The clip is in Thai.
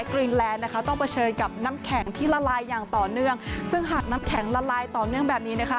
กรีนแลนด์นะคะต้องเผชิญกับน้ำแข็งที่ละลายอย่างต่อเนื่องซึ่งหากน้ำแข็งละลายต่อเนื่องแบบนี้นะคะ